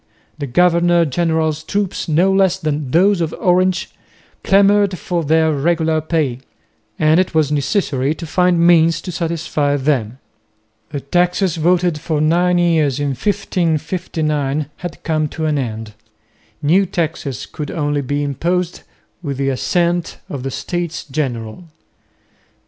The governor general's troops no less than those of Orange clamoured for their regular pay, and it was necessary to find means to satisfy them. The taxes voted for nine years in 1559 had come to an end. New taxes could only be imposed with the assent of the States General.